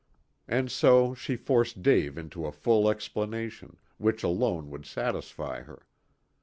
And so she forced Dave into a full explanation, which alone would satisfy her.